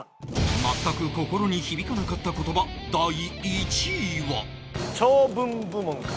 全く心に響かなかった言葉第１位は